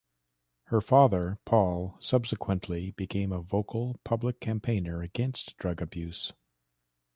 Her father, Paul, subsequently became a vocal public campaigner against drug abuse.